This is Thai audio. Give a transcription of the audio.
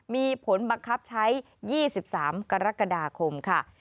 มีผลบังคับใช้๒๓กรกฎาคมค่ะ